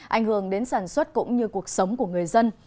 ảnh hưởng đến sản xuất cũng như cuộc sống của người dân